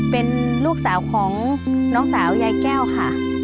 เป็นลูกสาวของน้องสาวยายแก้วค่ะ